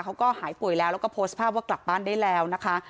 เขาก็หายป่วยแล้วแล้วก็โพสต์ภาพว่ากลับบ้านได้แล้วนะคะ